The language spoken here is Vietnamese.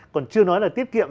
còn chưa nói là tiết kiệm